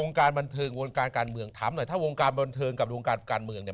การบันเทิงวงการการเมืองถามหน่อยถ้าวงการบันเทิงกับวงการการเมืองเนี่ย